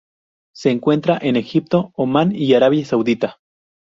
Se encuentra en Egipto, Omán y Arabia Saudita